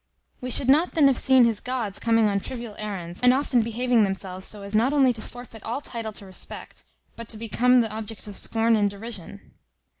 We should not then have seen his gods coming on trivial errands, and often behaving themselves so as not only to forfeit all title to respect, but to become the objects of scorn and derision.